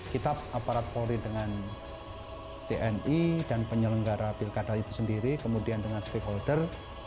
kita aparat polri dengan tni dan penyelenggara pilkada itu sendiri kemudian dengan stakeholder